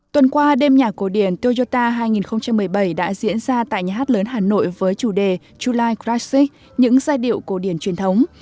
tuần qua đêm nhạc cổ điển toyota hai nghìn một mươi bảy đã diễn ra tại nhà hát lớn hà nội với chủ đề chu lai cracis những giai điệu cổ điển truyền thống